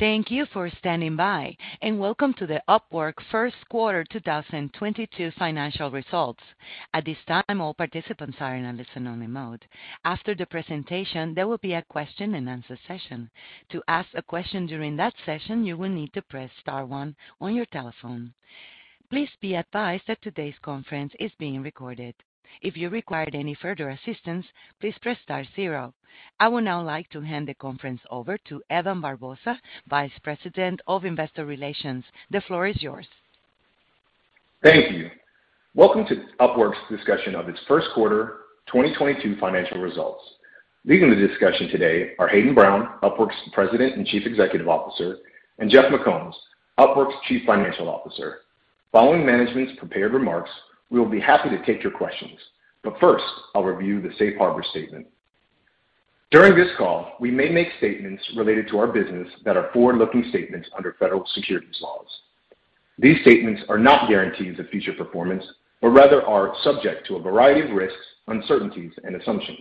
Thank you for standing by, and welcome to the Upwork Q1 2022 Financial Results. At this time, all participants are in a listen-only mode. After the presentation, there will be a question-and-answer session. To ask a question during that session, you will need to press star one on your telephone. Please be advised that today's conference is being recorded. If you require any further assistance, please press star zero. I would now like to hand the conference over to Evan Barbosa, Vice President of Investor Relations. The floor is yours. Thank you. Welcome to Upwork's discussion of its Q1 2022 Financial Results. Leading the discussion today are Hayden Brown, Upwork's President and Chief Executive Officer, and Jeff McCombs, Upwork's Chief Financial Officer. Following management's prepared remarks, we will be happy to take your questions. First, I'll review the safe harbor statement. During this call, we may make statements related to our business that are forward-looking statements under federal securities laws. These statements are not guarantees of future performance, but rather are subject to a variety of risks, uncertainties and assumptions.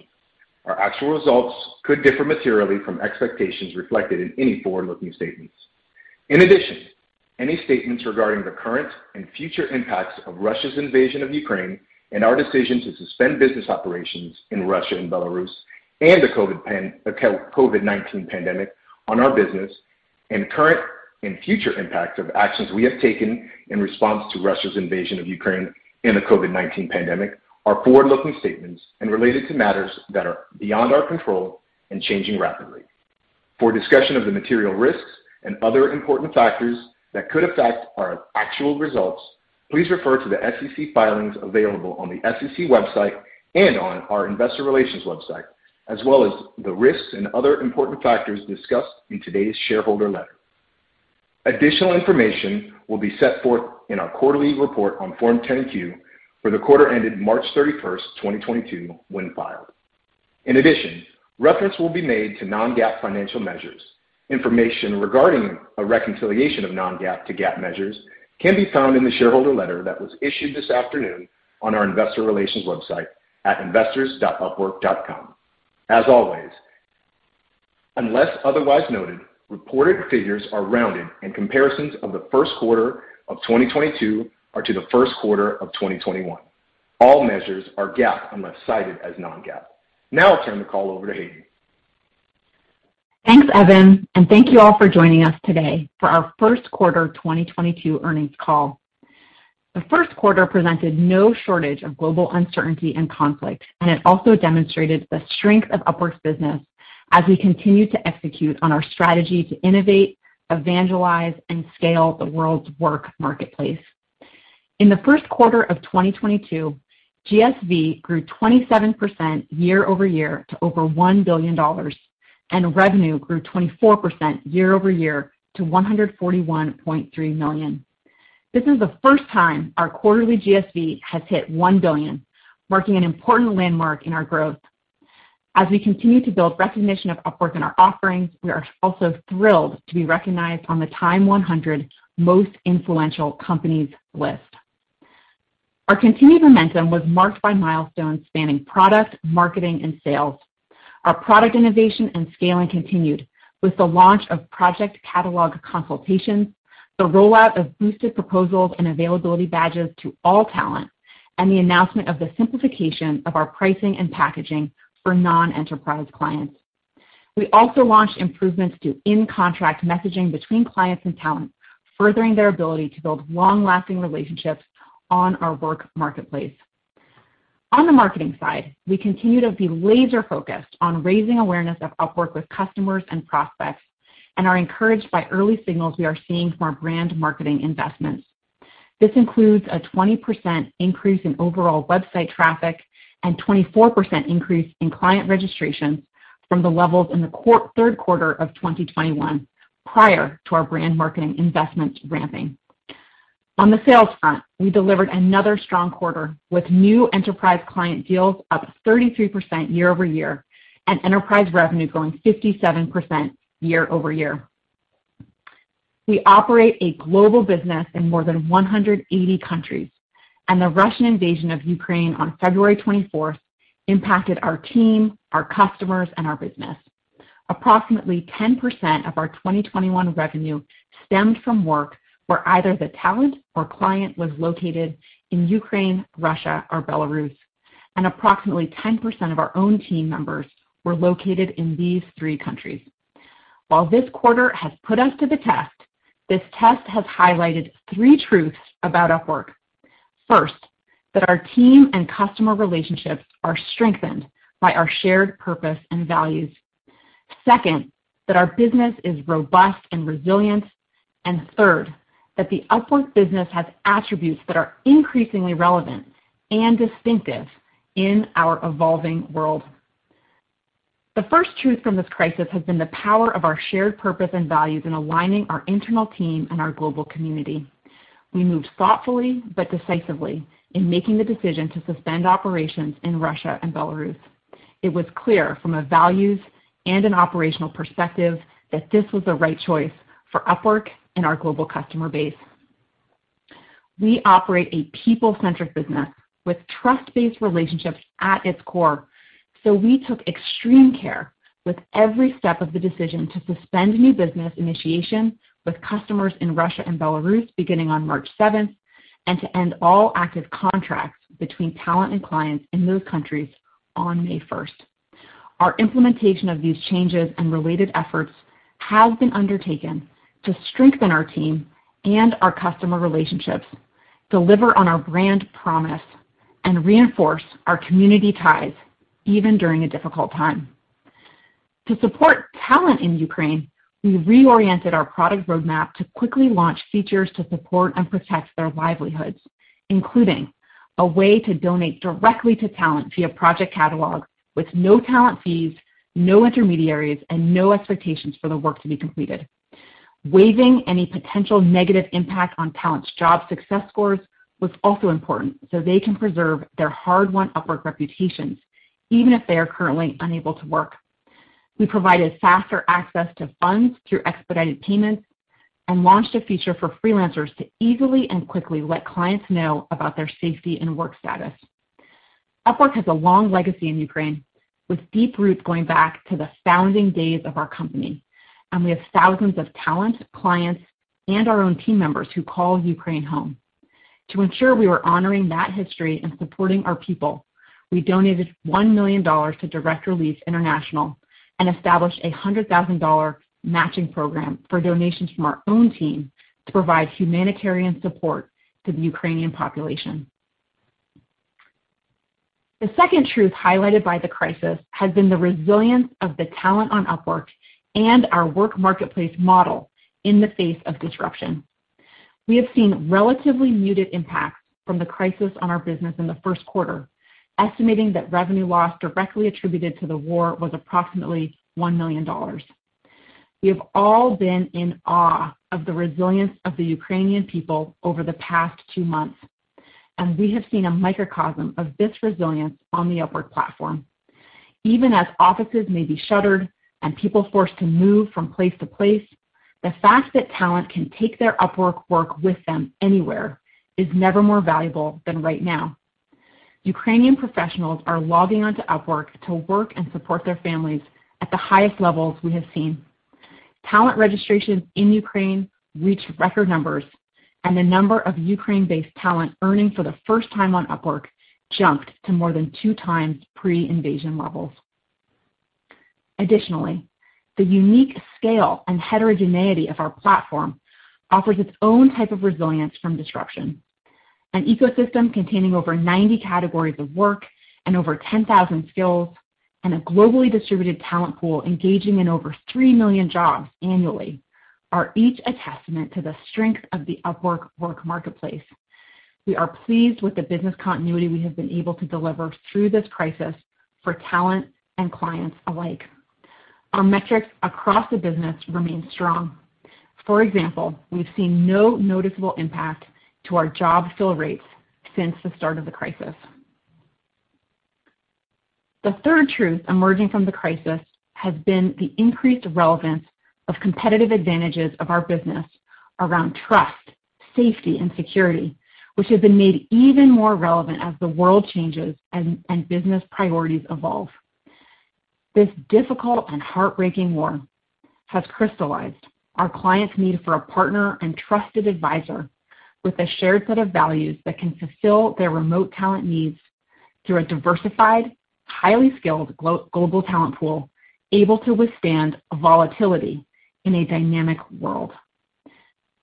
Our actual results could differ materially from expectations reflected in any forward-looking statements. In addition, any statements regarding the current and future impacts of Russia's invasion of Ukraine and our decision to suspend business operations in Russia and Belarus and the COVID-19 pandemic on our business and current and future impacts of actions we have taken in response to Russia's invasion of Ukraine and the COVID-19 pandemic are forward-looking statements and related to matters that are beyond our control and changing rapidly. For a discussion of the material risks and other important factors that could affect our actual results, please refer to the SEC filings available on the SEC website and on our investor relations website, as well as the risks and other important factors discussed in today's shareholder letter. Additional information will be set forth in our quarterly report on Form 10-Q for the quarter ended March 31st, 2022 when filed. In addition, reference will be made to non-GAAP financial measures. Information regarding a reconciliation of non-GAAP to GAAP measures can be found in the shareholder letter that was issued this afternoon on our investor relations website at investors.upwork.com. As always, unless otherwise noted, reported figures are rounded, and comparisons of the Q1 of 2022 are to the Q1 of 2021. All measures are GAAP unless cited as non-GAAP. Now I'll turn the call over to Hayden. Thanks, Evan, and thank you all for joining us today for our Q1 2022 Earnings Call. The Q1 presented no shortage of global uncertainty and conflict. It also demonstrated the strength of Upwork's business as we continue to execute on our strategy to innovate, evangelize, and scale the world's work marketplace. In the first quarter of 2022, GSV grew 27% year-over-year to over $1 billion, and revenue grew 24% year-over-year to $141.3 million. This is the first time our quarterly GSV has hit $1 billion, marking an important landmark in our growth. As we continue to build recognition of Upwork and our offerings, we are also thrilled to be recognized on the TIME100 Most Influential Companies list. Our continued momentum was marked by milestones spanning product, marketing, and sales. Our product innovation and scaling continued with the launch of Project Catalog consultations, the rollout of Boosted Proposals and availability badges to all talent, and the announcement of the simplification of our pricing and packaging for non-enterprise clients. We also launched improvements to in-contract messaging between clients and talent, furthering their ability to build long-lasting relationships on our work marketplace. On the marketing side, we continue to be laser-focused on raising awareness of Upwork with customers and prospects and are encouraged by early signals we are seeing from our brand marketing investments. This includes a 20% increase in overall website traffic and 24% increase in client registrations from the levels in the Q3 of 2021 prior to our brand marketing investment ramping. On the sales front, we delivered another strong quarter with new enterprise client deals up 33% year-over-year, and enterprise revenue growing 57% year-over-year. We operate a global business in more than 180 countries, and the Russian invasion of Ukraine on February 24 impacted our team, our customers, and our business. Approximately 10% of our 2021 revenue stemmed from work where either the talent or client was located in Ukraine, Russia, or Belarus, and approximately 10% of our own team members were located in these three countries. While this quarter has put us to the test, this test has highlighted three truths about Upwork. First, that our team and customer relationships are strengthened by our shared purpose and values. Second, that our business is robust and resilient. Third, that the Upwork business has attributes that are increasingly relevant and distinctive in our evolving world. The first truth from this crisis has been the power of our shared purpose and values in aligning our internal team and our global community. We moved thoughtfully but decisively in making the decision to suspend operations in Russia and Belarus. It was clear from a values and an operational perspective that this was the right choice for Upwork and our global customer base. We operate a people-centric business with trust-based relationships at its core. We took extreme care with every step of the decision to suspend new business initiation with customers in Russia and Belarus beginning on March 7th, and to end all active contracts between talent and clients in those countries on May 1st. Our implementation of these changes and related efforts have been undertaken to strengthen our team and our customer relationships, deliver on our brand promise, and reinforce our community ties even during a difficult time. To support talent in Ukraine, we reoriented our product roadmap to quickly launch features to support and protect their livelihoods, including a way to donate directly to talent via Project Catalog with no talent fees, no intermediaries, and no expectations for the work to be completed. Waiving any potential negative impact on talent's job success scores was also important so they can preserve their hard-won Upwork reputations even if they are currently unable to work. We provided faster access to funds through expedited payments and launched a feature for freelancers to easily and quickly let clients know about their safety and work status. Upwork has a long legacy in Ukraine with deep roots going back to the founding days of our company, and we have thousands of talent, clients, and our own team members who call Ukraine home. To ensure we were honoring that history and supporting our people, we donated $1 million to Direct Relief and established a $100,000 matching program for donations from our own team to provide humanitarian support to the Ukrainian population. The second truth highlighted by the crisis has been the resilience of the talent on Upwork and our Upwork marketplace model in the face of disruption. We have seen relatively muted impacts from the crisis on our business in the Q1, estimating that revenue loss directly attributed to the war was approximately $1 million. We have all been in awe of the resilience of the Ukrainian people over the past two months, and we have seen a microcosm of this resilience on the Upwork platform. Even as offices may be shuttered and people forced to move from place to place, the fact that talent can take their Upwork work with them anywhere is never more valuable than right now. Ukrainian professionals are logging on to Upwork to work and support their families at the highest levels we have seen. Talent registrations in Ukraine reached record numbers, and the number of Ukraine-based talent earning for the first time on Upwork jumped to more than 2x pre-invasion levels. Additionally, the unique scale and heterogeneity of our platform offers its own type of resilience from disruption. An ecosystem containing over 90 categories of work and over 10,000 skills, and a globally distributed talent pool engaging in over 3 million jobs annually are each a testament to the strength of the Upwork Marketplace. We are pleased with the business continuity we have been able to deliver through this crisis for talent and clients alike. Our metrics across the business remain strong. For example, we've seen no noticeable impact to our job fill rates since the start of the crisis. The third truth emerging from the crisis has been the increased relevance of competitive advantages of our business around trust, safety, and security, which have been made even more relevant as the world changes and business priorities evolve. This difficult and heartbreaking war has crystallized our clients' need for a partner and trusted advisor with a shared set of values that can fulfill their remote talent needs through a diversified, highly skilled global talent pool able to withstand volatility in a dynamic world.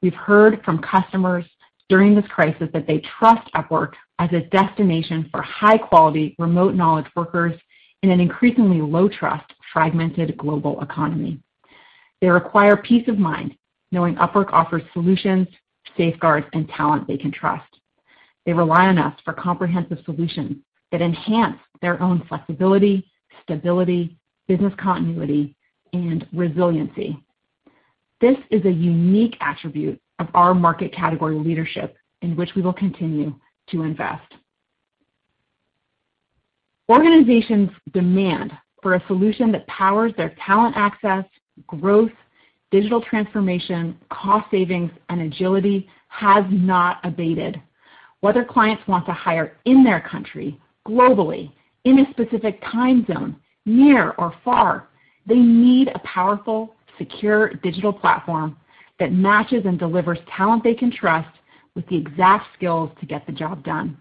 We've heard from customers during this crisis that they trust Upwork as a destination for high-quality remote knowledge workers in an increasingly low-trust, fragmented global economy. They require peace of mind knowing Upwork offers solutions, safeguards, and talent they can trust. They rely on us for comprehensive solutions that enhance their own flexibility, stability, business continuity, and resiliency. This is a unique attribute of our market category leadership in which we will continue to invest. Organizations demand for a solution that powers their talent access, growth, digital transformation, cost savings, and agility has not abated. Whether clients want to hire in their country, globally, in a specific time zone, near or far, they need a powerful, secure digital platform that matches and delivers talent they can trust with the exact skills to get the job done.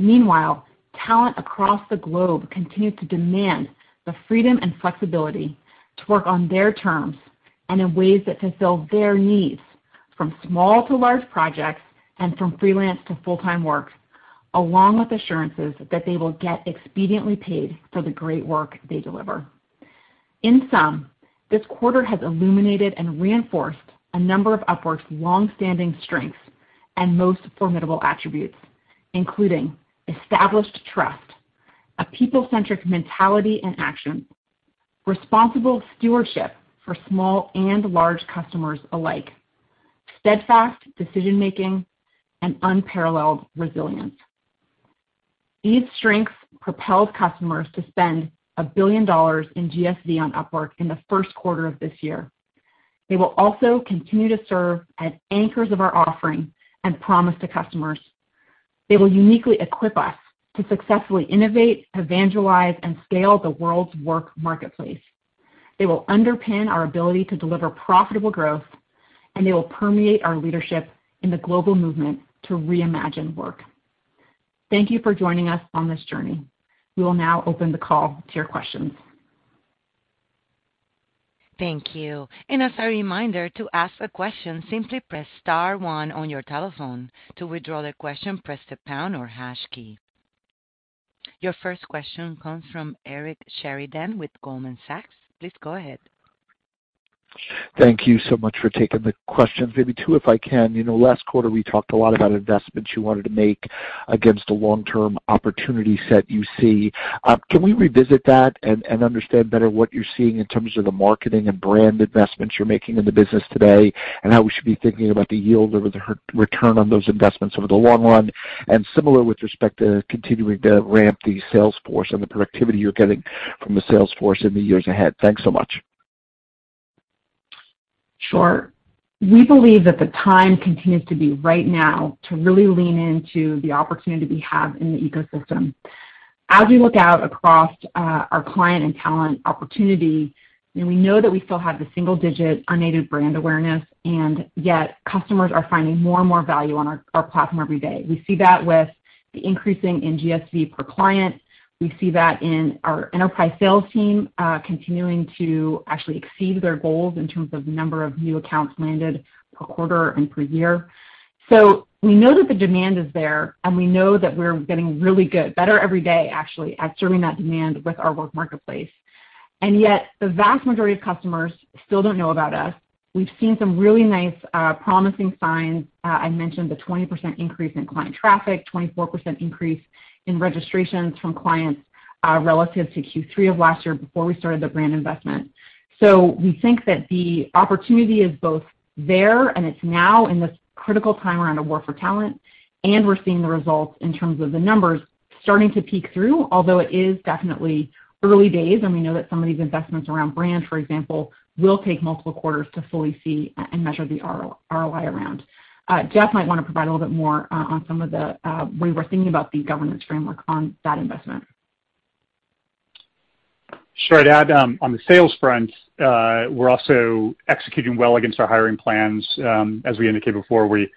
Meanwhile, talent across the globe continue to demand the freedom and flexibility to work on their terms and in ways that fulfill their needs from small to large projects and from freelance to full-time work, along with assurances that they will get expediently paid for the great work they deliver. In sum, this quarter has illuminated and reinforced a number of Upwork's long-standing strengths and most formidable attributes, including established trust, a people-centric mentality and action, responsible stewardship for small and large customers alike, steadfast decision-making, and unparalleled resilience. These strengths propelled customers to spend $1 billion in GSV on Upwork in the Q1 of this year. They will also continue to serve as anchors of our offering and promise to customers. They will uniquely equip us to successfully innovate, evangelize, and scale the world's work marketplace. They will underpin our ability to deliver profitable growth, and they will permeate our leadership in the global movement to reimagine work. Thank you for joining us on this journey. We will now open the call to your questions. Thank you. As a reminder, to ask a question, simply press star one on your telephone. To withdraw the question, press the pound or hash key. Your first question comes from Eric Sheridan with Goldman Sachs. Please go ahead. Thank you so much for taking the questions. Maybe two, if I can. You know, last quarter, we talked a lot about investments you wanted to make against a long-term opportunity set you see. Can we revisit that and understand better what you're seeing in terms of the marketing and brand investments you're making in the business today and how we should be thinking about the yield or the return on those investments over the long run? Similar with respect to continuing to ramp the sales force and the productivity you're getting from the sales force in the years ahead. Thanks so much. Sure. We believe that the time continues to be right now to really lean into the opportunity we have in the ecosystem. As we look out across our client and talent opportunity, and we know that we still have the single digit unaided brand awareness, and yet customers are finding more and more value on our platform every day. We see that with the increase in GSV per client. We see that in our enterprise sales team continuing to actually exceed their goals in terms of number of new accounts landed per quarter and per year. We know that the demand is there, and we know that we're getting really good, better every day, actually, at serving that demand with our Upwork Marketplace. Yet, the vast majority of customers still don't know about us. We've seen some really nice promising signs. I mentioned the 20% increase in client traffic, 24% increase in registrations from clients, relative to Q3 of last year before we started the brand investment. We think that the opportunity is both there and it's now in this critical time around the war for talent, and we're seeing the results in terms of the numbers starting to peek through, although it is definitely early days, and we know that some of these investments around brand, for example, will take multiple quarters to fully see and measure the ROI around. Jeff might wanna provide a little bit more on some of the way we're thinking about the governance framework on that investment. Sure. I'd add on the sales front, we're also executing well against our hiring plans. As we indicated before, we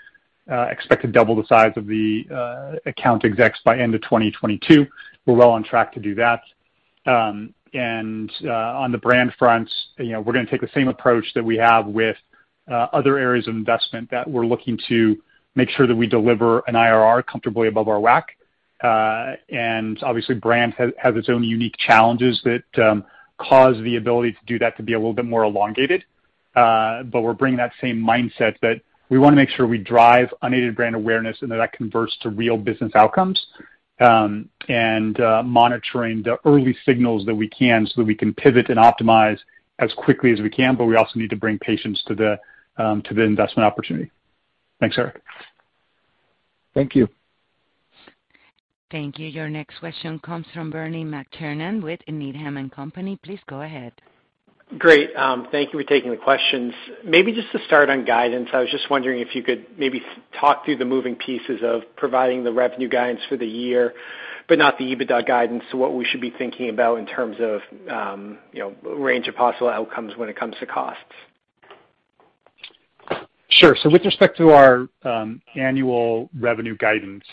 expect to double the size of the account execs by end of 2022. We're well on track to do that. On the brand front, you know, we're gonna take the same approach that we have with other areas of investment that we're looking to make sure that we deliver an IRR comfortably above our WACC. Obviously brand has its own unique challenges that cause the ability to do that to be a little bit more elongated. We're bringing that same mindset that we wanna make sure we drive unaided brand awareness and that that converts to real business outcomes, and monitoring the early signals that we can so that we can pivot and optimize as quickly as we can, but we also need to bring patience to the investment opportunity. Thanks, Eric. Thank you. Thank you. Your next question comes from Bernie McTernan with Needham & Company. Please go ahead. Great. Thank you for taking the questions. Maybe just to start on guidance. I was just wondering if you could maybe talk through the moving pieces of providing the revenue guidance for the year but not the EBITDA guidance. What we should be thinking about in terms of range of possible outcomes when it comes to costs. Sure. With respect to our annual revenue guidance,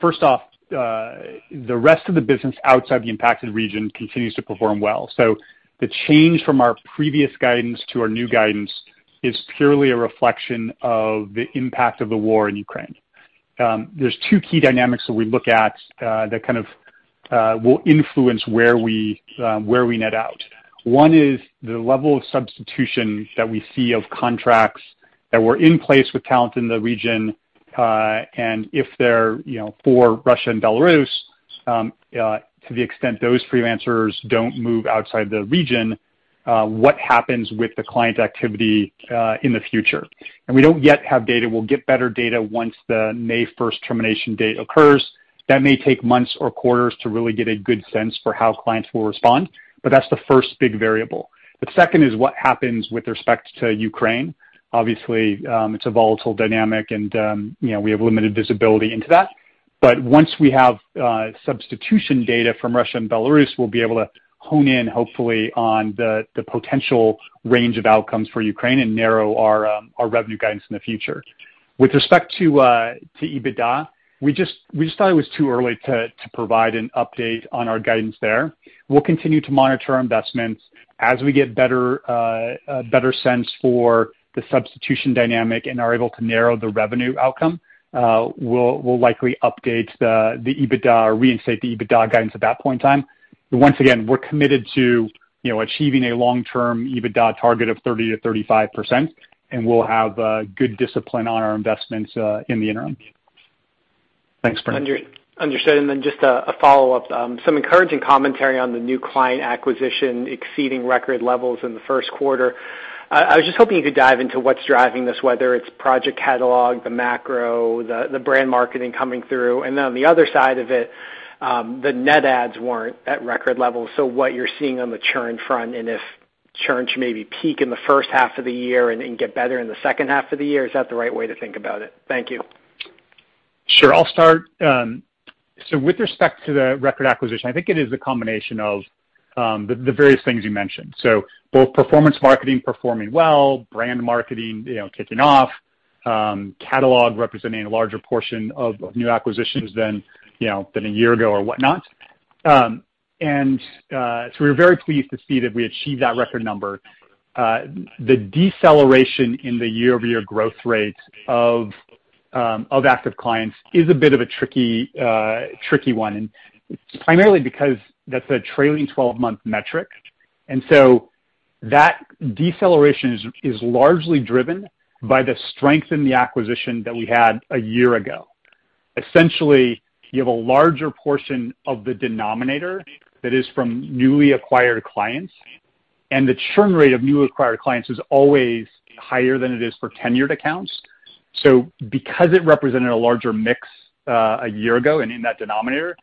first off, the rest of the business outside the impacted region continues to perform well. The change from our previous guidance to our new guidance is purely a reflection of the impact of the war in Ukraine. There's two key dynamics that we look at, that kind of will influence where we net out. One is the level of substitution that we see of contracts that were in place with talent in the region, and if they're, you know, for Russia and Belarus, to the extent those freelancers don't move outside the region, what happens with the client activity in the future? We don't yet have data. We'll get better data once the May first termination date occurs. That may take months or quarters to really get a good sense for how clients will respond, but that's the first big variable. The second is what happens with respect to Ukraine. Obviously, it's a volatile dynamic and, you know, we have limited visibility into that. Once we have substitution data from Russia and Belarus, we'll be able to hone in, hopefully, on the potential range of outcomes for Ukraine and narrow our revenue guidance in the future. With respect to EBITDA, we just thought it was too early to provide an update on our guidance there. We'll continue to monitor our investments. As we get better a better sense for the substitution dynamic and are able to narrow the revenue outcome, we'll likely update the EBITDA or reinstate the EBITDA guidance at that point in time. Once again, we're committed to, you know, achieving a long-term EBITDA target of 30%-35%, and we'll have good discipline on our investments in the interim. Thanks, Bernie. Understood. Just a follow-up. Some encouraging commentary on the new client acquisition exceeding record levels in the Q1. I was just hoping you could dive into what's driving this, whether it's Project Catalog, the macro, the brand marketing coming through. On the other side of it, the net adds weren't at record levels. What you're seeing on the churn front and if churn should maybe peak in the H1 of the year and then get better in the H2 of the year. Is that the right way to think about it? Thank you. Sure. I'll start. With respect to the record acquisition, I think it is a combination of the various things you mentioned. Both performance marketing performing well, brand marketing, you know, kicking off, catalog representing a larger portion of new acquisitions than you know a year ago or whatnot. We're very pleased to see that we achieved that record number. The deceleration in the year-over-year growth rate of active clients is a bit of a tricky one, and primarily because that's a trailing 12-month metric. That deceleration is largely driven by the strength in the acquisition that we had a year ago. Essentially, you have a larger portion of the denominator that is from newly acquired clients, and the churn rate of newly acquired clients is always higher than it is for tenured accounts. Because it represented a larger mix a year ago and in that denominator,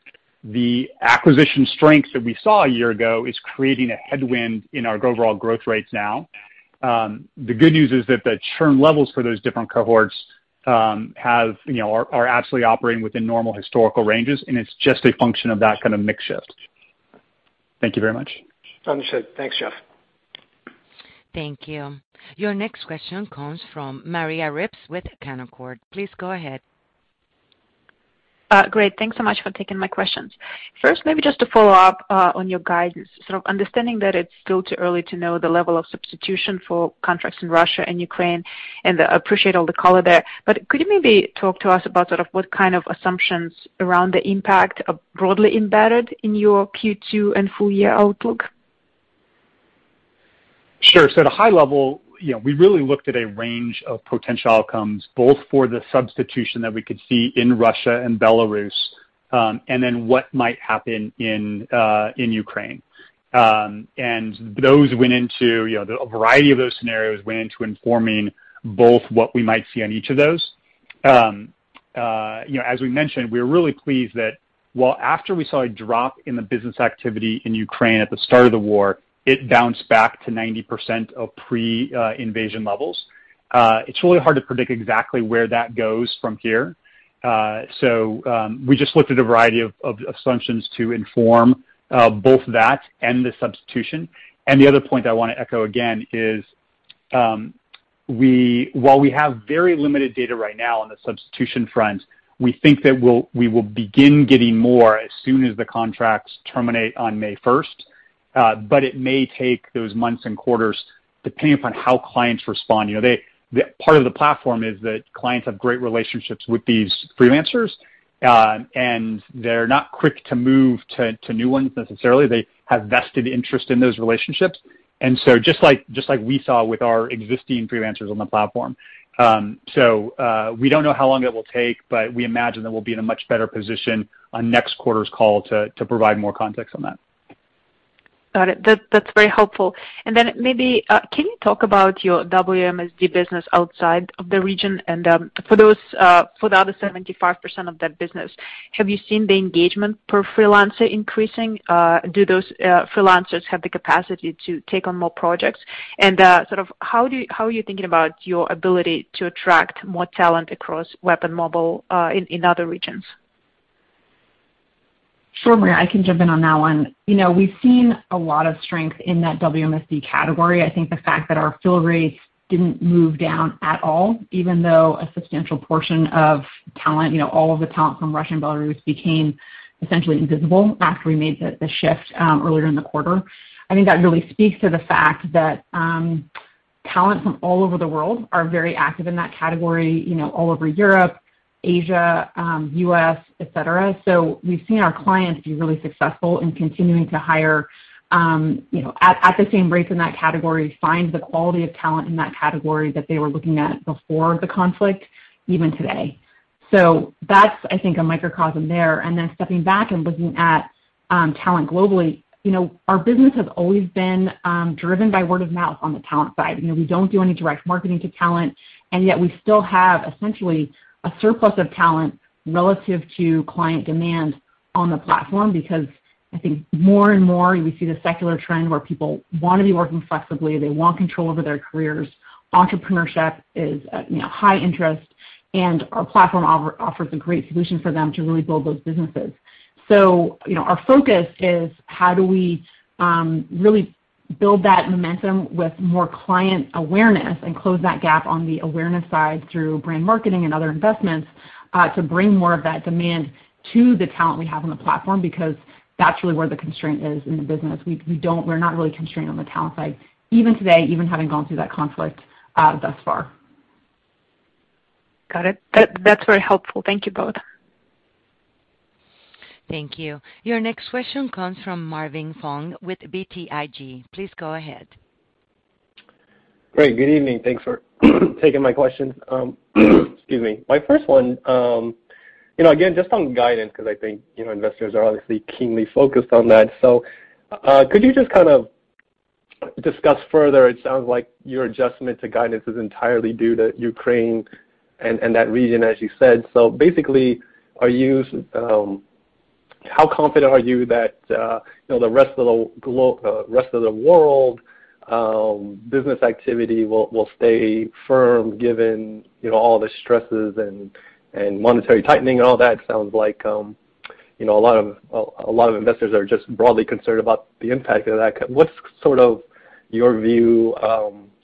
the acquisition strength that we saw a year ago is creating a headwind in our overall growth rates now. The good news is that the churn levels for those different cohorts have, you know, are absolutely operating within normal historical ranges, and it's just a function of that kind of mix shift. Thank you very much. Understood. Thanks, Jeff. Thank you. Your next question comes from Maria Ripps with Canaccord Genuity. Please go ahead. Great. Thanks so much for taking my questions. First, maybe just to follow up, on your guidance, sort of understanding that it's still too early to know the level of substitution for contracts in Russia and Ukraine, and I appreciate all the color there, but could you maybe talk to us about sort of what kind of assumptions around the impact are broadly embedded in your Q2 and full year outlook? Sure. At a high level, you know, we really looked at a range of potential outcomes, both for the substitution that we could see in Russia and Belarus, and then what might happen in Ukraine. Those went into a variety of scenarios informing both what we might see on each of those. You know, as we mentioned, we're really pleased that while after we saw a drop in the business activity in Ukraine at the start of the war, it bounced back to 90% of pre-invasion levels. It's really hard to predict exactly where that goes from here. We just looked at a variety of assumptions to inform both that and the substitution. The other point I wanna echo again is, while we have very limited data right now on the substitution front, we think that we will begin getting more as soon as the contracts terminate on May 1st. But it may take those months and quarters, depending upon how clients respond. You know, part of the platform is that clients have great relationships with these freelancers, and they're not quick to move to new ones necessarily. They have vested interest in those relationships. Just like we saw with our existing freelancers on the platform. We don't know how long it will take, but we imagine that we'll be in a much better position on next quarter's call to provide more context on that. Got it. That's very helpful. Maybe can you talk about your WMSD business outside of the region? For the other 75% of that business, have you seen the engagement per freelancer increasing? Do those freelancers have the capacity to take on more projects? How are you thinking about your ability to attract more talent across Web and Mobile in other regions? Sure, Maria, I can jump in on that one. You know, we've seen a lot of strength in that WMSD category. I think the fact that our fill rates didn't move down at all, even though a substantial portion of talent, you know, all of the talent from Russia and Belarus became essentially invisible after we made the shift earlier in the quarter. I think that really speaks to the fact that talent from all over the world are very active in that category, you know, all over Europe, Asia, U.S., et cetera. So we've seen our clients be really successful in continuing to hire, you know, at the same rates in that category, find the quality of talent in that category that they were looking at before the conflict even today. So that's, I think, a microcosm there. Stepping back and looking at talent globally. You know, our business has always been driven by word of mouth on the talent side. You know, we don't do any direct marketing to talent, and yet we still have essentially a surplus of talent relative to client demand on the platform because I think more and more we see the secular trend where people wanna be working flexibly, they want control over their careers. Entrepreneurship is, you know, high interest, and our platform offers a great solution for them to really build those businesses. You know, our focus is how do we really build that momentum with more client awareness and close that gap on the awareness side through brand marketing and other investments to bring more of that demand to the talent we have on the platform because that's really where the constraint is in the business. We're not really constrained on the talent side even today, even having gone through that conflict thus far. Got it. That's very helpful. Thank you both. Thank you. Your next question comes from Marvin Fong with BTIG. Please go ahead. Great. Good evening. Thanks for taking my question. Excuse me. My first one, You know, again, just on guidance, because I think, you know, investors are obviously keenly focused on that. Could you just kind of discuss further? It sounds like your adjustment to guidance is entirely due to Ukraine and that region, as you said. Basically, are you, how confident are you that, you know, the rest of the world, business activity will stay firm given, you know, all the stresses and monetary tightening and all that? It sounds like, you know, a lot of investors are just broadly concerned about the impact of that. What's sort of your view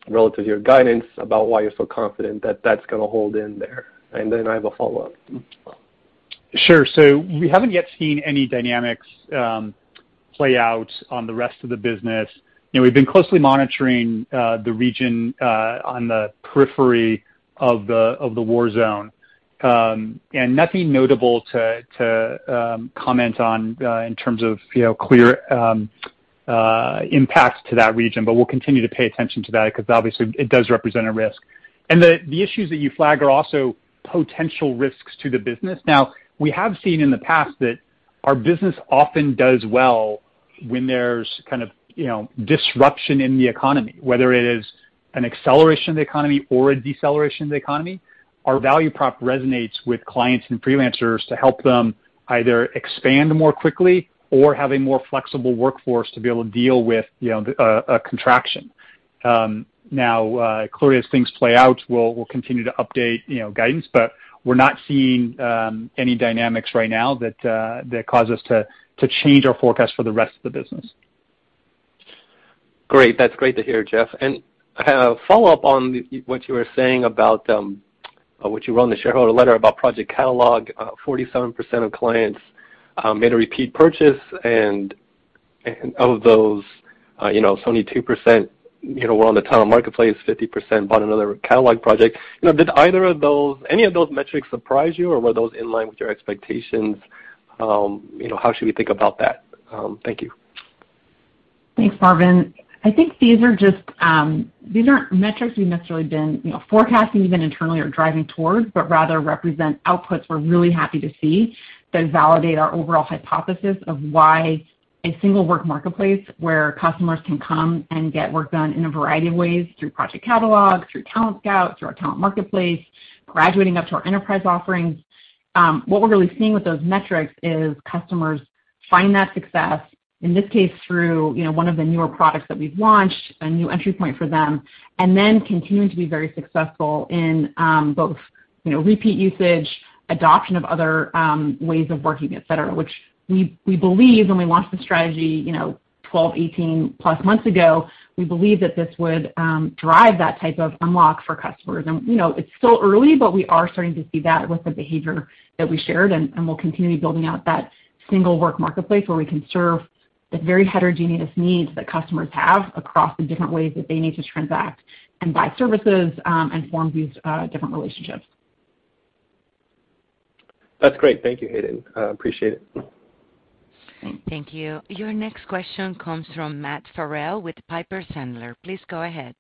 relative to your guidance about why you're so confident that that's gonna hold in there? Then I have a follow-up. Sure. We haven't yet seen any dynamics play out on the rest of the business. You know, we've been closely monitoring the region on the periphery of the war zone. Nothing notable to comment on in terms of, you know, clear impacts to that region, but we'll continue to pay attention to that because obviously it does represent a risk. The issues that you flag are also potential risks to the business. Now, we have seen in the past that our business often does well when there's kind of, you know, disruption in the economy, whether it is an acceleration of the economy or a deceleration of the economy. Our value prop resonates with clients and freelancers to help them either expand more quickly or have a more flexible workforce to be able to deal with, you know, a contraction. Now, clearly as things play out, we'll continue to update, you know, guidance, but we're not seeing any dynamics right now that cause us to change our forecast for the rest of the business. Great. That's great to hear, Jeff. A follow-up on what you were saying about what you wrote in the shareholder letter about Project Catalog. 47% of clients made a repeat purchase, and of those, you know, it's only 2%, you know, were on the Talent Marketplace, 50% bought another catalog project. You know, did any of those metrics surprise you, or were those in line with your expectations? You know, how should we think about that? Thank you. Thanks, Marvin. I think these are just, these aren't metrics we've necessarily been, you know, forecasting even internally or driving towards, but rather represent outputs we're really happy to see that validate our overall hypothesis of why a single work marketplace where customers can come and get work done in a variety of ways through Project Catalog, through Talent Scout, through our Talent Marketplace, graduating up to our enterprise offerings. What we're really seeing with those metrics is customers find that success, in this case, through, you know, one of the newer products that we've launched, a new entry point for them, and then continuing to be very successful in both, you know, repeat usage, adoption of other ways of working, etc. Which we believe when we launched the strategy, you know, 12, 18+ months ago, we believe that this would drive that type of unlock for customers. You know, it's still early, but we are starting to see that with the behavior that we shared, and we'll continue building out that single work marketplace where we can serve the very heterogeneous needs that customers have across the different ways that they need to transact and buy services, and form these different relationships. That's great. Thank you, Hayden. Appreciate it. Thanks. Thank you. Your next question comes from Matt Farrell with Piper Sandler. Please go ahead.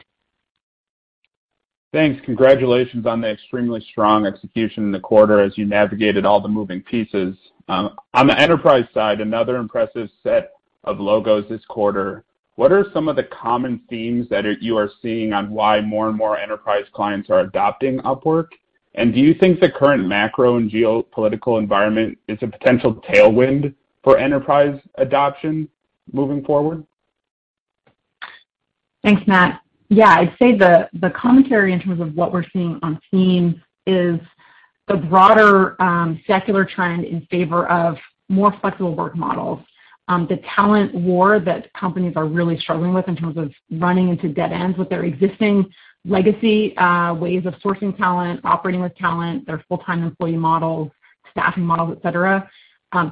Thanks. Congratulations on the extremely strong execution in the quarter as you navigated all the moving pieces. On the enterprise side, another impressive set of logos this quarter. What are some of the common themes that you are seeing on why more and more enterprise clients are adopting Upwork? Do you think the current macro and geopolitical environment is a potential tailwind for enterprise adoption moving forward? Thanks, Matt. Yeah, I'd say the commentary in terms of what we're seeing on teams is the broader secular trend in favor of more flexible work models. The talent war that companies are really struggling with in terms of running into dead ends with their existing legacy ways of sourcing talent, operating with talent, their full-time employee models, staffing models, etc.,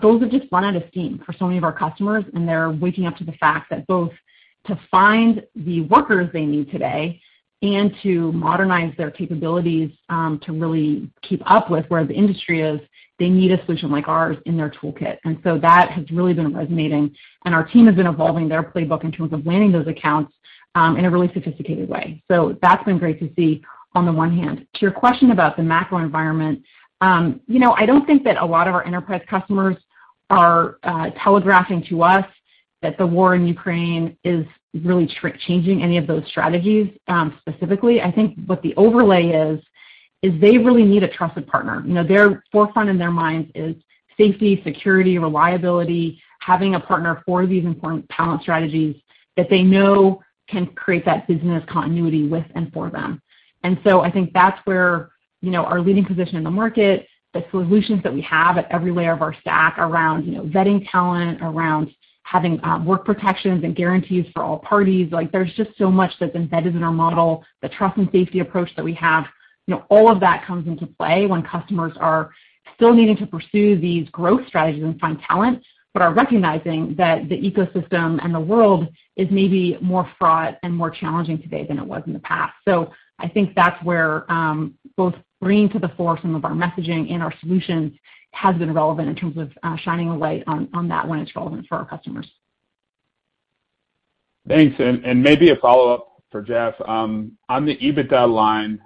those are just run out of steam for so many of our customers, and they're waking up to the fact that both to find the workers they need today and to modernize their capabilities to really keep up with where the industry is, they need a solution like ours in their toolkit. That has really been resonating. Our team has been evolving their playbook in terms of landing those accounts in a really sophisticated way. That's been great to see on the one hand. To your question about the macro environment, you know, I don't think that a lot of our enterprise customers are telegraphing to us that the war in Ukraine is really changing any of those strategies, specifically. I think what the overlay is they really need a trusted partner. You know, their forefront in their minds is safety, security, reliability, having a partner for these important talent strategies that they know can create that business continuity with and for them. I think that's where, you know, our leading position in the market, the solutions that we have at every layer of our stack around, you know, vetting talent, around having work protections and guarantees for all parties. Like, there's just so much that's embedded in our model, the trust and safety approach that we have. You know, all of that comes into play when customers are still needing to pursue these growth strategies and find talent, but are recognizing that the ecosystem and the world is maybe more fraught and more challenging today than it was in the past. I think that's where both bringing to the fore some of our messaging and our solutions has been relevant in terms of shining a light on that when it's relevant for our customers. Thanks. Maybe a follow-up for Jeff. On the EBITDA line,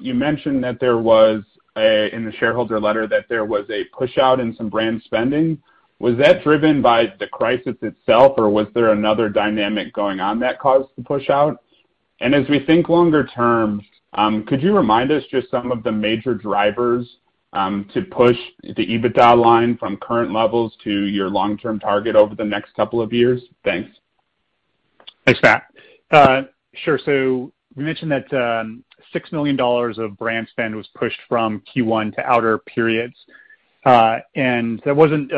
you mentioned that there was a, in the shareholder letter that there was a push-out in some brand spending. Was that driven by the crisis itself, or was there another dynamic going on that caused the push-out? As we think longer term, could you remind us just some of the major drivers, to push the EBITDA line from current levels to your long-term target over the next couple of years? Thanks. Thanks, Matt. Sure. We mentioned that $6 million of brand spend was pushed from Q1 to other periods. That wasn't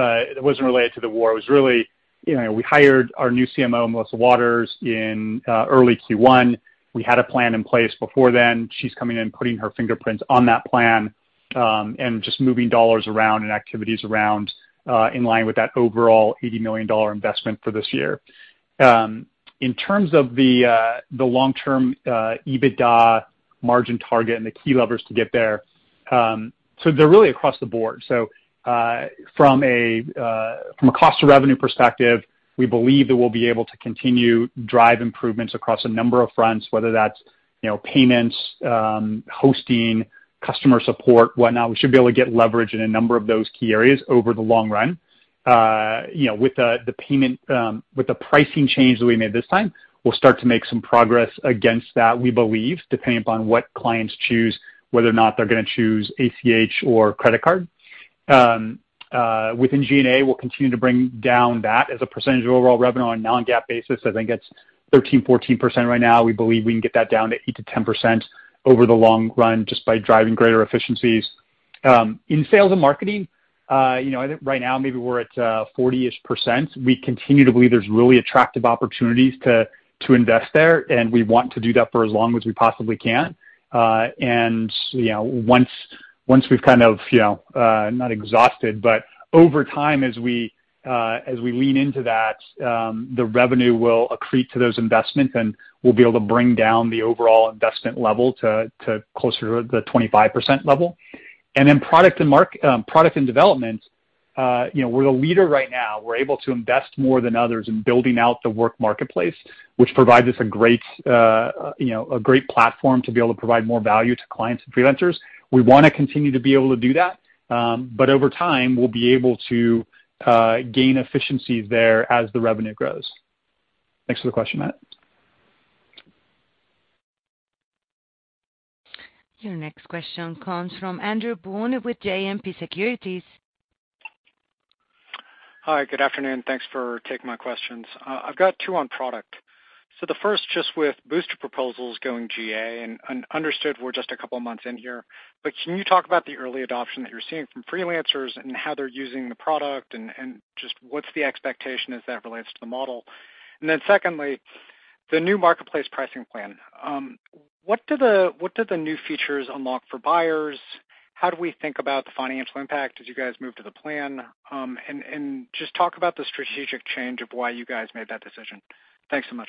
related to the war. It was really, you know, we hired our new CMO, Melissa Waters, in early Q1. We had a plan in place before then. She's coming in, putting her fingerprints on that plan, and just moving dollars around and activities around in line with that overall $80 million investment for this year. In terms of the long-term EBITDA margin target and the key levers to get there, they're really across the board. From a cost to revenue perspective, we believe that we'll be able to continue to drive improvements across a number of fronts, whether that's, you know, payments, hosting, customer support, whatnot. We should be able to get leverage in a number of those key areas over the long run. You know, with the pricing change that we made this time, we'll start to make some progress against that, we believe, depending upon what clients choose, whether or not they're gonna choose ACH or credit card. Within G&A, we'll continue to bring down that as a percentage of overall revenue on a non-GAAP basis. I think it's 13%-14% right now. We believe we can get that down to 8%-10% over the long run just by driving greater efficiencies. In sales and marketing, you know, I think right now maybe we're at 40-ish%. We continue to believe there's really attractive opportunities to invest there, and we want to do that for as long as we possibly can. You know, once we've kind of, you know, not exhausted, but over time, as we lean into that, the revenue will accrete to those investments, and we'll be able to bring down the overall investment level to closer to the 25% level. Then product and development, you know, we're the leader right now. We're able to invest more than others in building out the Upwork Marketplace, which provides us a great, you know, a great platform to be able to provide more value to clients and freelancers. We wanna continue to be able to do that, but over time, we'll be able to gain efficiencies there as the revenue grows. Thanks for the question, Matt. Your next question comes from Andrew Boone with JMP Securities. Hi. Good afternoon. Thanks for taking my questions. I've got two on product. The first, just with Boosted Proposals going GA, and understood we're just a couple of months in here, but can you talk about the early adoption that you're seeing from freelancers and how they're using the product and just what's the expectation as that relates to the model? Then secondly, the new marketplace pricing plan. What do the new features unlock for buyers? How do we think about the financial impact as you guys move to the plan? Just talk about the strategic change of why you guys made that decision. Thanks so much.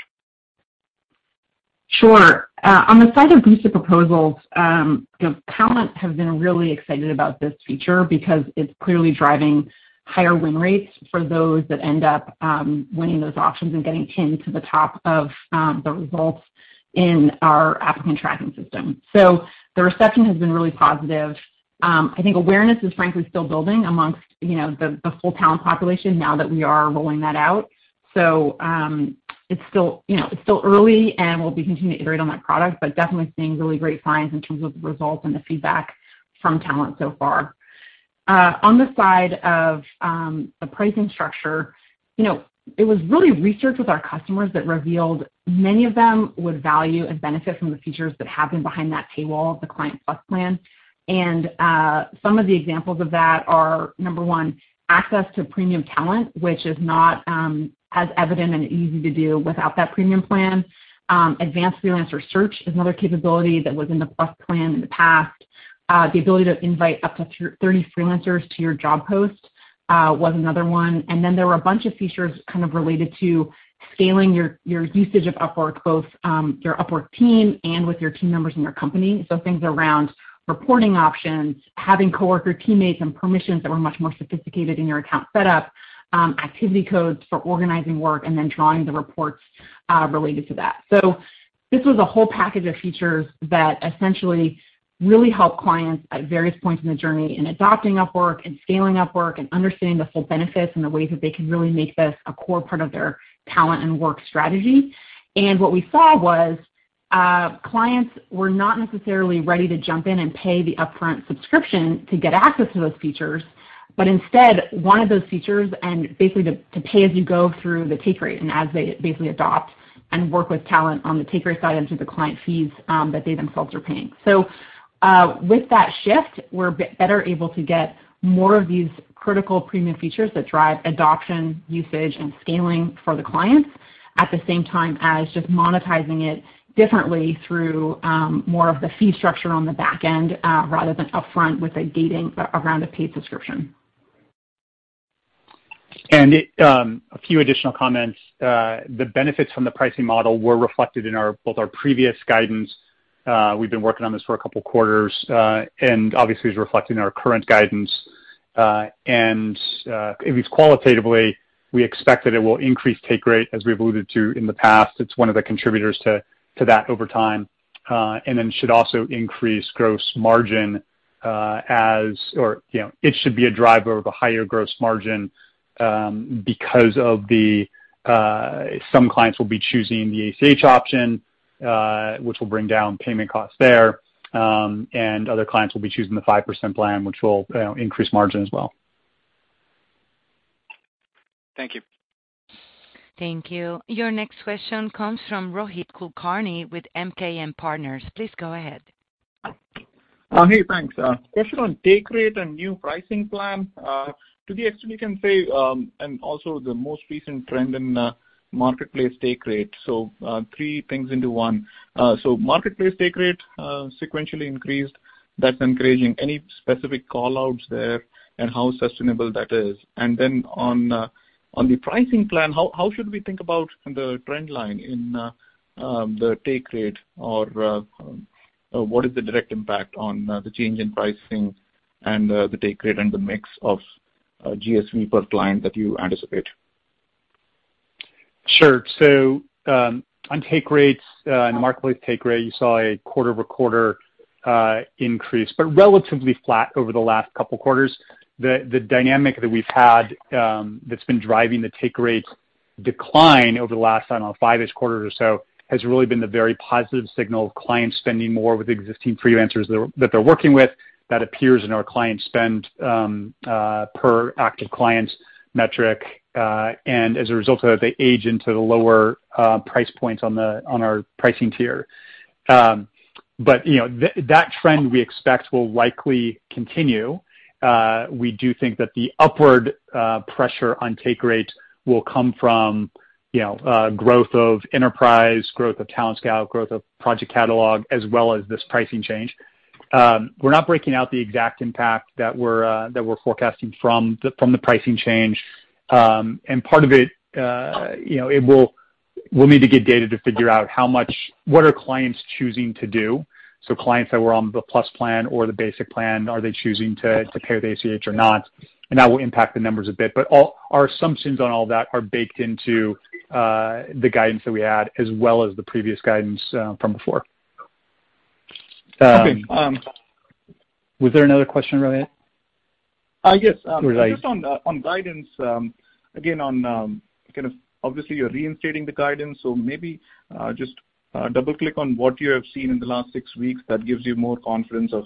Sure. On the side of Boosted Proposals, you know, talent have been really excited about this feature because it's clearly driving higher win rates for those that end up winning those auctions and getting pinned to the top of the results in our applicant tracking system. The reception has been really positive. I think awareness is frankly still building amongst, you know, the full talent population now that we are rolling that out. It's still, you know, it's still early, and we'll be continuing to iterate on that product, but definitely seeing really great signs in terms of the results and the feedback from talent so far. On the side of the pricing structure, you know, it was really research with our customers that revealed many of them would value and benefit from the features that have been behind that paywall of the Client Plus plan. Some of the examples of that are, number one, access to premium talent, which is not as evident and easy to do without that premium plan. Advanced freelancer search is another capability that was in the Plus plan in the past. The ability to invite up to 30 freelancers to your job post was another one. Then there were a bunch of features kind of related to scaling your usage of Upwork, both your Upwork team and with your team members in your company. Things around reporting options, having coworker teammates and permissions that were much more sophisticated in your account setup, activity codes for organizing work, and then drawing the reports related to that. This was a whole package of features that essentially really help clients at various points in the journey in adopting Upwork and scaling Upwork and understanding the full benefits and the ways that they can really make this a core part of their talent and work strategy. What we saw was, clients were not necessarily ready to jump in and pay the upfront subscription to get access to those features, but instead wanted those features and basically to pay as you go through the take rate and as they basically adopt and work with talent on the take rate side and through the client fees, that they themselves are paying. With that shift, we're better able to get more of these critical premium features that drive adoption, usage, and scaling for the clients at the same time as just monetizing it differently through more of the fee structure on the back end, rather than upfront with a gating around a paid subscription. A few additional comments. The benefits from the pricing model were reflected in our both our previous guidance. We've been working on this for a couple quarters, and obviously is reflected in our current guidance. At least qualitatively, we expect that it will increase take rate, as we've alluded to in the past. It's one of the contributors to that over time, and then should also increase gross margin, you know, it should be a driver of a higher gross margin, because of the some clients will be choosing the ACH option, which will bring down payment costs there, and other clients will be choosing the 5% plan, which will, you know, increase margin as well. Thank you. Thank you. Your next question comes from Rohit Kulkarni with MKM Partners. Please go ahead. Hey, thanks. Question on take rate and new pricing plan. To the extent we can say, and also the most recent trend in the marketplace take rate. Three things into one. Marketplace take rate sequentially increased. That's encouraging. Any specific call-outs there and how sustainable that is? On the pricing plan, how should we think about the trend line in the take rate or what is the direct impact on the change in pricing and the take rate and the mix of GSV per client that you anticipate? Sure. On take rates and marketplace take rate, you saw a quarter-over-quarter increase, but relatively flat over the last couple quarters. The dynamic that we've had that's been driving the take rate decline over the last, I don't know, five-ish quarters or so, has really been the very positive signal of clients spending more with existing freelancers that they're working with. That appears in our client spend per active client metric. As a result of that, they age into the lower price points on our pricing tier. You know, that trend we expect will likely continue. We do think that the upward pressure on take rate will come from, you know, growth of enterprise, growth of Talent Scout, growth of Project Catalog, as well as this pricing change. We're not breaking out the exact impact that we're forecasting from the pricing change. Part of it, you know, we'll need to get data to figure out how much what are clients choosing to do. Clients that were on the plus plan or the basic plan, are they choosing to pay with ACH or not? That will impact the numbers a bit. All our assumptions on all that are baked into the guidance that we had as well as the previous guidance from before. Okay. Was there another question, Rohit? Yes. Or was I- Just on guidance, again, kind of obviously you're reinstating the guidance, so maybe just double-click on what you have seen in the last six weeks that gives you more confidence of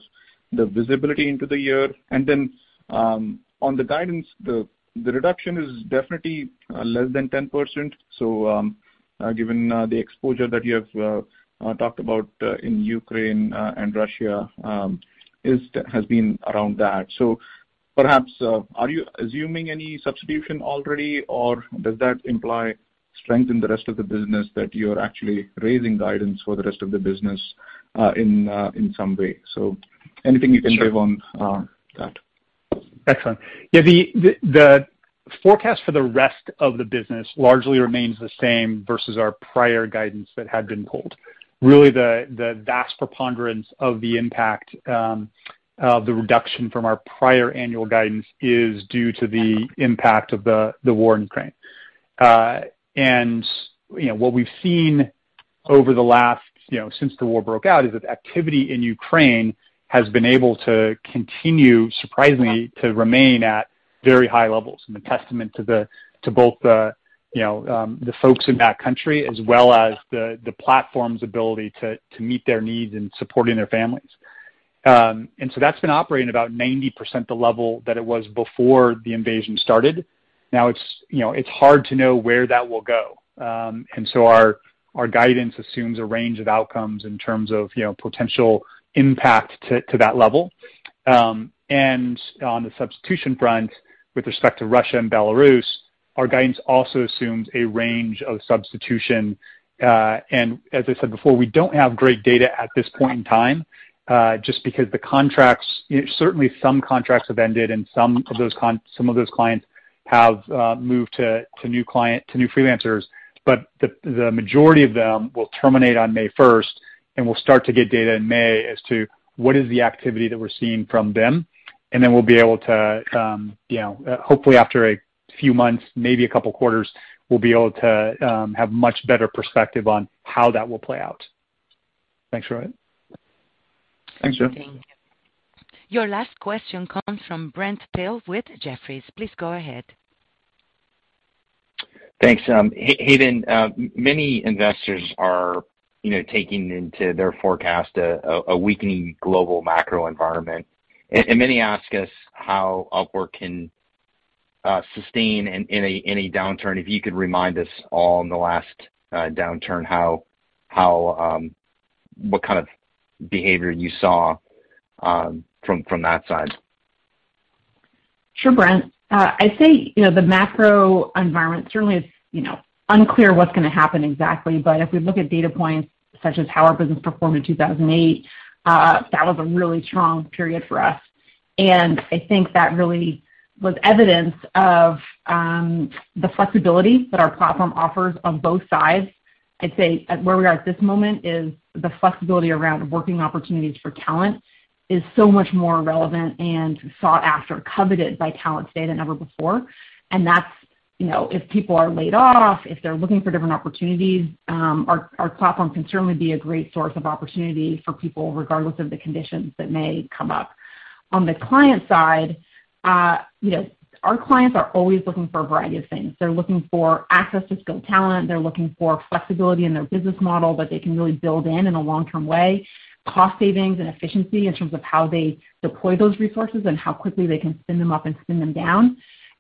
the visibility into the year. Then on the guidance, the reduction is definitely less than 10%, so given the exposure that you have talked about in Ukraine and Russia has been around that. Perhaps are you assuming any substitution already, or does that imply strength in the rest of the business that you're actually raising guidance for the rest of the business in some way? Anything you can give on that. Excellent. Yeah, the forecast for the rest of the business largely remains the same versus our prior guidance that had been pulled. Really, the vast preponderance of the impact of the reduction from our prior annual guidance is due to the impact of the war in Ukraine. What we've seen over the last, you know, since the war broke out is that activity in Ukraine has been able to continue, surprisingly, to remain at very high levels. A testament to both the folks in that country as well as the platform's ability to meet their needs in supporting their families. That's been operating about 90% the level that it was before the invasion started. Now it's, you know, it's hard to know where that will go. Our guidance assumes a range of outcomes in terms of, you know, potential impact to that level. On the substitution front, with respect to Russia and Belarus, our guidance also assumes a range of substitution. As I said before, we don't have great data at this point in time, just because the contracts. Certainly some contracts have ended and some of those clients have moved to new freelancers. The majority of them will terminate on May 1st, and we'll start to get data in May as to what is the activity that we're seeing from them. Then we'll be able to, you know, hopefully after a few months, maybe a couple quarters, we'll be able to, have much better perspective on how that will play out. Thanks, Rohit. Thanks, Jeff. Thank you. Your last question comes from Brent Thill with Jefferies. Please go ahead. Thanks. Hayden, many investors are, you know, taking into their forecast a weakening global macro environment. Many ask us how Upwork can sustain in a downturn. If you could remind us all in the last downturn how what kind of behavior you saw from that side. Sure, Brent. I'd say, you know, the macro environment certainly is, you know, unclear what's gonna happen exactly. If we look at data points such as how our business performed in 2008, that was a really strong period for us. I think that really was evidence of the flexibility that our platform offers on both sides. I'd say where we are at this moment is the flexibility around working opportunities for talent is so much more relevant and sought after, coveted by talent today than ever before. That's, you know, if people are laid off, if they're looking for different opportunities, our platform can certainly be a great source of opportunity for people regardless of the conditions that may come up. On the client side, you know, our clients are always looking for a variety of things. They're looking for access to skilled talent. They're looking for flexibility in their business model that they can really build in a long-term way, cost savings and efficiency in terms of how they deploy those resources and how quickly they can spin them up and spin them down.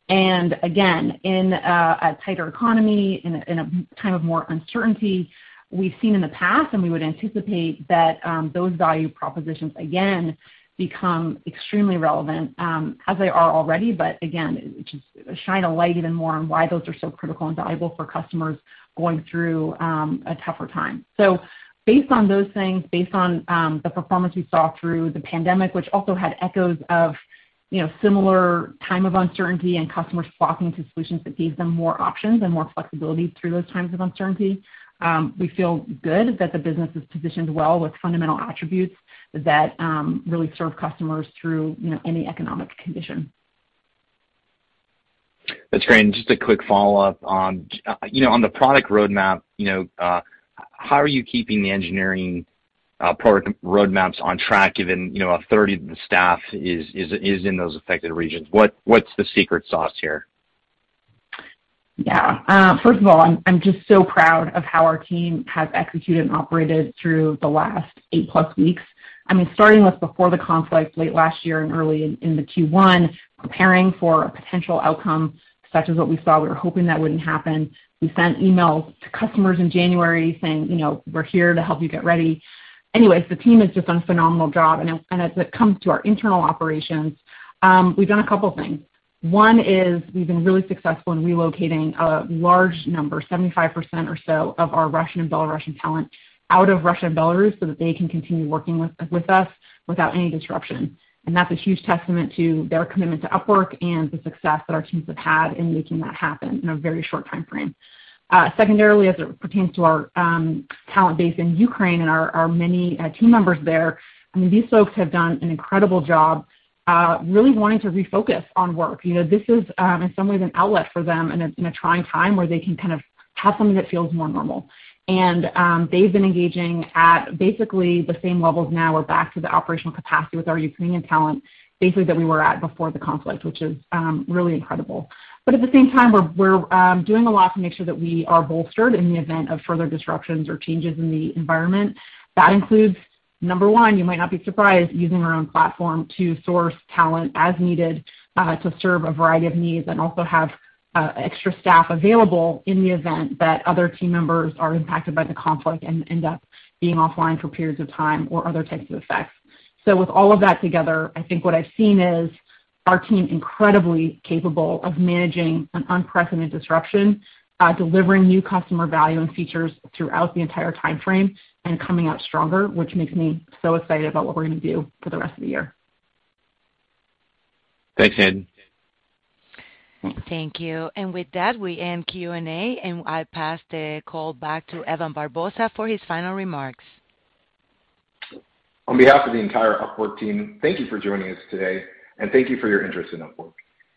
In a tighter economy, in a time of more uncertainty, we've seen in the past and we would anticipate that those value propositions again become extremely relevant, as they are already, but again, just shine a light even more on why those are so critical and valuable for customers going through a tougher time. Based on those things, the performance we saw through the pandemic, which also had echoes of, you know, similar time of uncertainty and customers flocking to solutions that gave them more options and more flexibility through those times of uncertainty, we feel good that the business is positioned well with fundamental attributes that really serve customers through, you know, any economic condition. That's great. Just a quick follow-up on you know, on the product roadmap, you know, how are you keeping the engineering, product roadmaps on track given, you know, a third of the staff is in those affected regions? What's the secret sauce here? Yeah. First of all, I'm just so proud of how our team has executed and operated through the last 8-plus weeks. I mean, starting with before the conflict late last year and early in the Q1, preparing for a potential outcome such as what we saw, we were hoping that wouldn't happen. We sent emails to customers in January saying, you know, "We're here to help you get ready." Anyways, the team has just done a phenomenal job. As it comes to our internal operations, we've done a couple things. One is we've been really successful in relocating a large number, 75% or so of our Russian and Belarusian talent out of Russia and Belarus so that they can continue working with us without any disruption. That's a huge testament to their commitment to Upwork and the success that our teams have had in making that happen in a very short timeframe. Secondarily, as it pertains to our talent base in Ukraine and our many team members there, I mean, these folks have done an incredible job, really wanting to refocus on work. You know, this is, in some ways an outlet for them in a trying time where they can kind of have something that feels more normal. They've been engaging at basically the same levels now we're back to the operational capacity with our Ukrainian talent, basically that we were at before the conflict, which is really incredible. At the same time, we're doing a lot to make sure that we are bolstered in the event of further disruptions or changes in the environment. That includes, number one, you might not be surprised, using our own platform to source talent as needed, to serve a variety of needs and also have extra staff available in the event that other team members are impacted by the conflict and end up being offline for periods of time or other types of effects. With all of that together, I think what I've seen is our team incredibly capable of managing an unprecedented disruption, delivering new customer value and features throughout the entire timeframe and coming out stronger, which makes me so excited about what we're gonna do for the rest of the year. Thanks, Hayden. Thank you. With that, we end Q&A, and I pass the call back to Evan Barbosa for his final remarks. On behalf of the entire Upwork team, thank you for joining us today, and thank you for your interest in Upwork.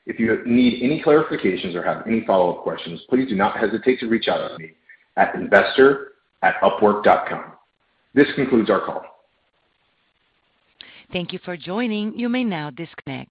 If you need any clarifications or have any follow-up questions, please do not hesitate to reach out to me at investor@upwork.com. This concludes our call. Thank you for joining. You may now disconnect.